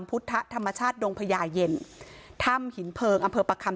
พุทธธรรมชาติดงพญาเย็นถ้ำหินเพลิงอำเภอประคำ